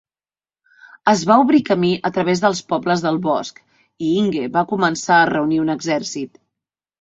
Es va obrir camí a través dels pobles del bosc, i Inge va començar a reunir un exèrcit.